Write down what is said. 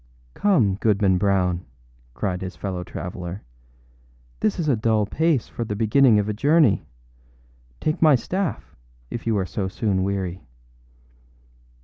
âCome, Goodman Brown,â cried his fellow traveller, âthis is a dull pace for the beginning of a journey. Take my staff, if you are so soon weary.